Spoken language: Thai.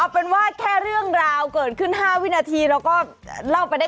ไปตากเออเบา